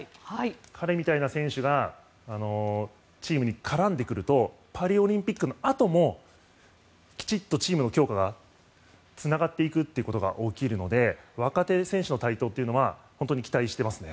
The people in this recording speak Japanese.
彼みたいな選手がチームに絡んでくるとパリオリンピックのあともきちんとチームの強化がつながっていくということが起きるので若手選手の台頭というのは本当に期待してますね。